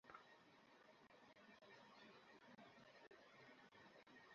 প্রথম পক্ষ পলিসির আওতায় কোনো গাড়ি দুর্ঘটনায় পড়লে মালিককে ক্ষতিপূরণ দেয় বিমা কোম্পানি।